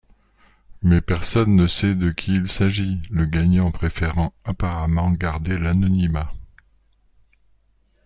Mais personne ne sait de qui il s'agit, le gagnant préférant apparemment garder l'anonymat.